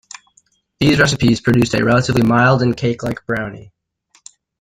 These recipes produced a relatively mild and cake-like brownie.